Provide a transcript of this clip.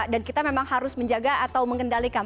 dan kita memang harus menjaga atau mengendalikan